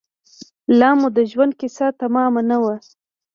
لامو د ژوند کیسه تمامه نه ده